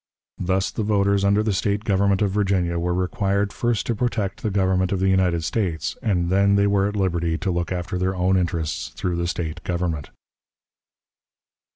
Thus the voters under the State government of Virginia were required first to protect the Government of the United States, and then they were at liberty to look after their own interests through the State government.